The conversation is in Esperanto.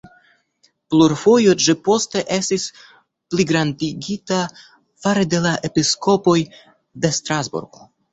Plurfoje ĝi poste estis pligrandigita fare de la episkopoj de Strasburgo.